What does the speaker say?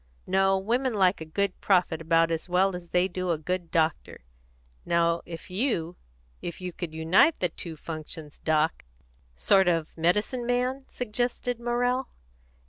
No, women like a good prophet about as well as they do a good doctor. Now if you, if you could unite the two functions, Doc " "Sort of medicine man?" suggested Morrell.